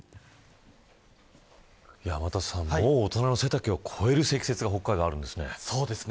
天達さん、もう大人の背丈を超える積雪が北海道、あるんですね。